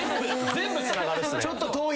全部つながる。